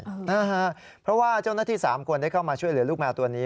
เพราะว่าเจ้าหน้าที่๓คนได้เข้ามาช่วยเหลือลูกแมวตัวนี้